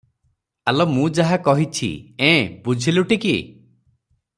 ଆଲୋ ମୁଁ ଯାହା କହିଛି- ଏଁ, ବୁଝିଲୁଟି କି?